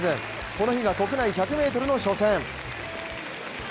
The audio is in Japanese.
この日が国内１００ｍの初戦。